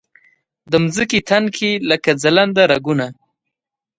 د مځکې تن کې لکه ځلنده رګونه